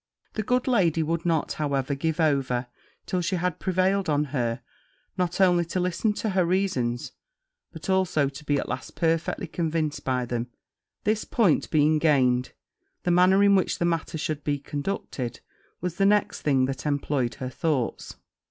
The good lady would not, however, give over till she had prevailed on her not only to listen to her reasons, but also to be at last perfectly convinced by them: this point being gained, the manner in which the matter should be conducted was the next thing that employed her thoughts.